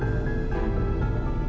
kamu kenapa sih